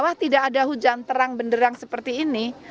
hujan terang benderang seperti ini